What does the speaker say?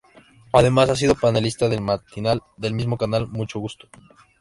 Además ha sido panelista del matinal del mismo canal, "Mucho gusto".